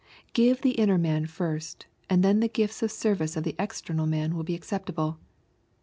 — Grive the inner man first, and then the gifts and service of the external man will be acceptable.